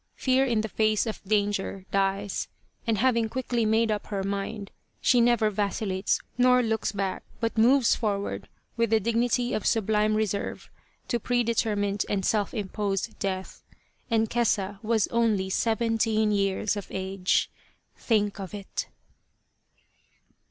'' Fear in the face of danger dies," and having quickly made up her mind she never vacillates nor looks back, but moves forward with the dignity of sublime reserve to pre determined and self imposed death. And Kesa was only seventeen years of age. Think of it!